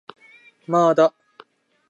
まーだ